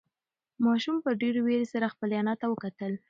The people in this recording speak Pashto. ماشوم په ډېرې وېرې سره خپلې انا ته وکتل.